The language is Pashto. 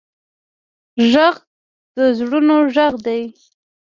غږ د زړونو غږ دی